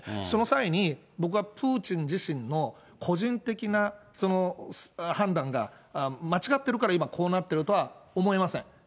その際に、僕はプーチン自身の個人的な判断が間違ってるから、今、こうなっているとは思いません。